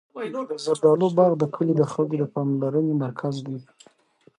د زردالو باغ د کلي د خلکو د پاملرنې مرکز دی.